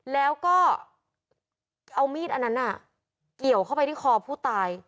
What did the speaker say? แล้วก็เอามีดอันนั้นเกี่ยวเข้าไปที่คอผู้ตาย